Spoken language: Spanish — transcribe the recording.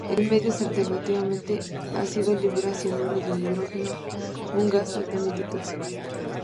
En medios altamente ácidos libera cianuro de hidrógeno, un gas altamente tóxico.